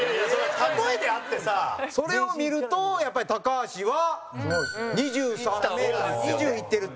蛍原：それを見るとやっぱり、高橋は２３ｍ２０いってるって。